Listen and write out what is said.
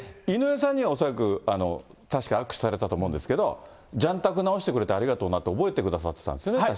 井上さんには恐らく、確か握手されたと思うんですけど、雀卓直してくれてありがとうなって、覚えてくださってたんですよね。